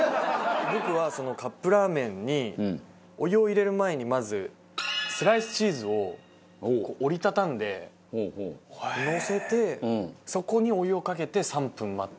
僕はそのカップラーメンにお湯を入れる前にまずスライスチーズを折り畳んでのせてそこにお湯をかけて３分待って。